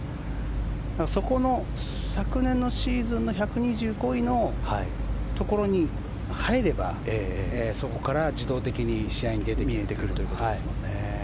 そこの昨年のシーズンの１２５位のところに入ればそこから自動的に試合に出てくるということですね。